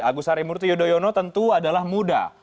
agus harimurti yudhoyono tentu adalah muda